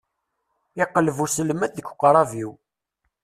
Iqelleb uselmad deg uqrab-iw.